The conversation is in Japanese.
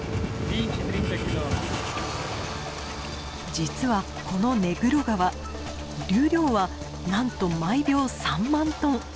実はこのネグロ川流量はなんと毎秒３万トン。